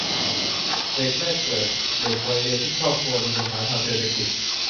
เด็กแรกเกิด เด็กวัยเรียนที่ครอบครัวมีปัญหาทางเศรษฐกิจ